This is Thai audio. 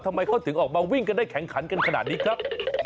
ทำไมเขาถึงออกมาวิ่งกันได้แข่งขันกันขนาดนี้ครับ